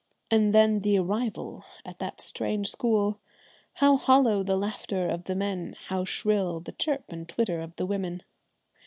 And then the arrival at that strange school; how hollow the laughter of the men, how shrill the chirp and twitter of the women!